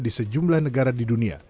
di sejumlah negara di dunia